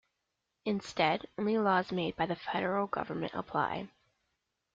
Instead, only laws made by the federal government apply.